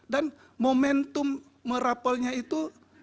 momentum merapelnya itu